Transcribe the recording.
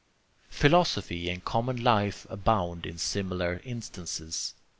Philosophy and common life abound in similar instances.